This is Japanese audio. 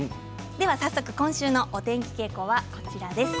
早速、今週のお天気傾向はこちらです。